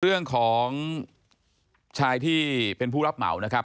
เรื่องของชายที่เป็นผู้รับเหมานะครับ